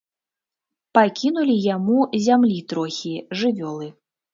Пакінулі яму зямлі трохі, жывёлы.